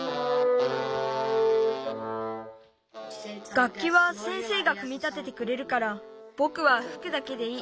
がっきは先生がくみ立ててくれるからぼくはふくだけでいい。